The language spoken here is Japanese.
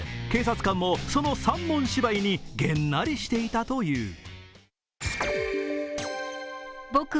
警察官もその三文芝居にげんなりしていたという。